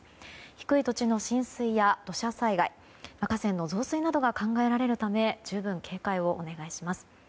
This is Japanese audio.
低い土地の浸水や土砂災害河川の増水などが考えられるため十分警戒をお願いします。